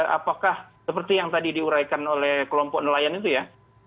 apakah seperti yang tadi diuraikan oleh kelompok nelayan itu ya